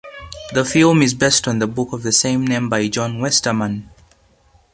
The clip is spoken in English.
The film is based on the book of the same name by John Westermann.